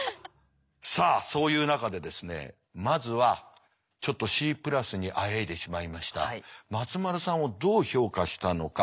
さあそういう中でまずはちょっとＣプラスにあえいでしまいました松丸さんをどう評価したのか。